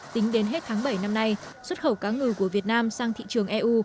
tính đến hết tháng bảy năm nay xuất khẩu cá ngừ của việt nam sang thị trường eu